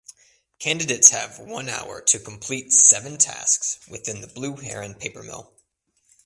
Candidates have one hour to complete seven tasks within the Blue Heron Paper Mill.